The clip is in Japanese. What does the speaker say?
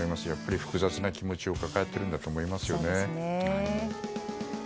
やっぱり複雑な気持ちを抱えているんだと思いますね。